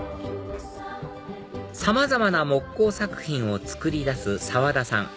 さまざまな木工作品を作り出す沢田さん